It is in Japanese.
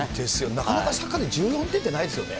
なかなかサッカーで１４点ってないですよね。